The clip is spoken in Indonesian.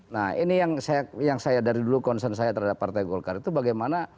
jadi yang saya dari dulu konsen saya terhadap partai golkar itu bagaimana